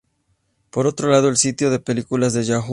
Por otro lado, el sitio de películas de Yahoo!